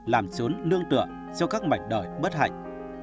làm xuống nương tựa cho các mạch đời bất hạnh